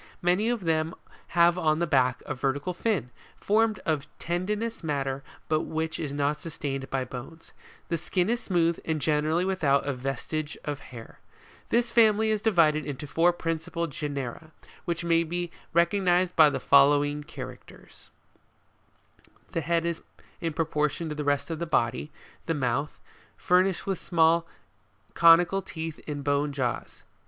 Many of them have on the back a vertical fin, formed of tendinous matter but which is not sustained by bones. The skin is smooth, and generally without a vestige of hair. 33. This family is divided into four principal genera, which may be recognised by the following characters : (Genera.) (Furnished with small ) n conical teeth in both jaws.